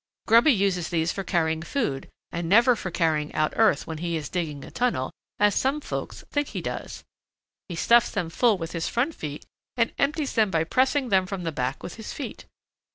Grubby uses these for carrying food and never for carrying out earth when he is digging a tunnel, as some folks think he does. He stuffs them full with his front feet and empties them by pressing them from the back with his feet.